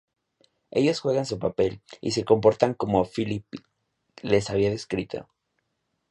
Ellos juegan su papel y se comportan como Philippe les había descrito.